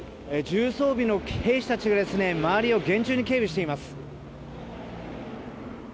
重装備の兵士たちが周りを厳重に警備しています。